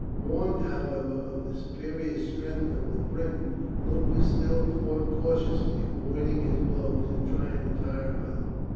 Warned, however, of the superior strength of the Briton Lupus still fought cautiously, avoiding his blows, and trying to tire him out.